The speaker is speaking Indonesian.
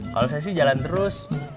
kalau saya sih jalan terus